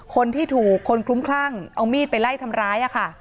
คนที่ถูกคนคลุ้มคลั่งเอามีดไปไล่ทำร้ายค่ะ